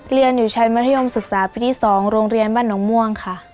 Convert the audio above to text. เรียนอยู่ชั้นมัธยมศึกษาปีที่๒โรงเรียนบ้านหนองม่วงค่ะ